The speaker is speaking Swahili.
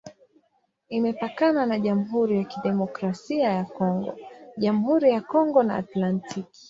Imepakana na Jamhuri ya Kidemokrasia ya Kongo, Jamhuri ya Kongo na Atlantiki.